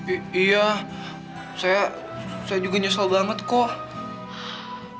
iya saya juga nyesel banget kok